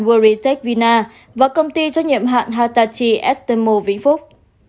worry tech vina và công ty trách nhiệm hạn hatachi estemo vĩnh phúc